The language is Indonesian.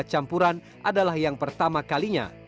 campuran adalah yang pertama kalinya